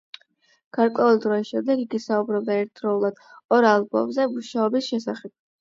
გარკვეული დროის შემდეგ იგი საუბრობდა ერთდროულად ორ ალბომზე მუშაობის შესახებ.